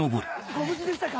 ご無事でしたか！